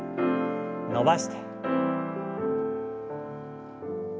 伸ばして。